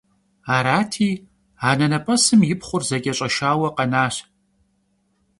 Arati, anenep'esım yi pxhur zeç'eş'eşşaue khenaş.